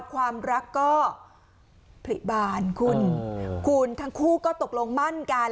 ความรักก็ผลิบาลคุณคุณทั้งคู่ก็ตกลงมั่นกัน